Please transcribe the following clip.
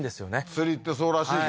釣りってそうらしいけどね